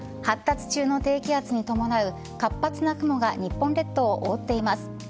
発達中の低気圧に伴う活発な雲が日本列島を覆っています。